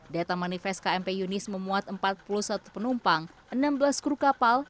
data manifest kmp yunis memuat empat puluh satu penumpang enam belas kru kapal